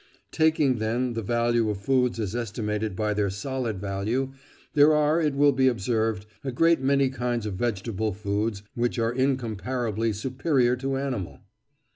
Taking, then, the value of foods as estimated by their solid value, there are, it will be observed, a great many kinds of vegetable foods which are incomparably superior to animal."